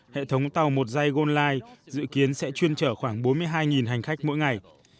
hệ thống tàu một dây goldlife dự kiến sẽ chuyên trở khoảng bốn mươi hai hành khách mỗi ngày